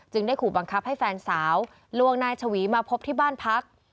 ได้ขู่บังคับให้แฟนสาวลวงนายชวีมาพบที่บ้านพัก